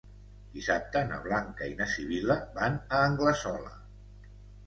Dissabte na Blanca i na Sibil·la van a Anglesola.